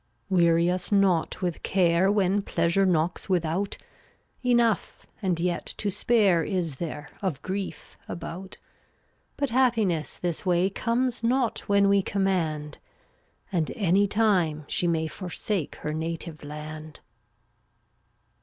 359 Weary us not with care When pleasure knocks without; Enough, and yet to spare Is there of grief about. But Happiness this way Comes not when we command, And any time she may Forsake her native land.